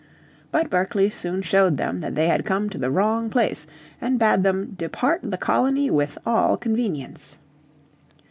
But Berkeley soon showed them that they had come to the wrong place and bade them "depart the Colony with all convenience."